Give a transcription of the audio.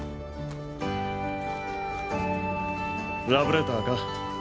ラブレターか？